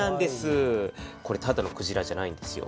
これただのクジラじゃないんですよ。